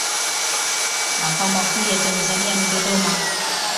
makao makuu ya tanzania ni dodoma